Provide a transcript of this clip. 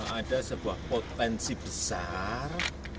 ada sebuah potensi besar